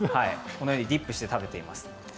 このようにディップして食べています。